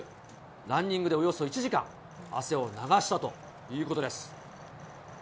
ランニングでおよそ１時間、汗を流したということです。